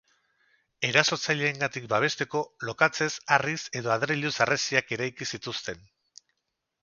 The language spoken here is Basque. Erasotzaileengantik babesteko lokatzez, harriz edo adreiluz harresiak eraiki zituzten.